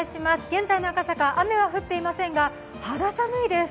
現在の赤坂、雨は降っていませんが肌寒いです。